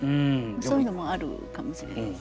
そういうのもあるかもしれませんね。